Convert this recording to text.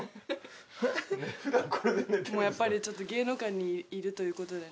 やっぱりちょっと芸能界にいるということでね。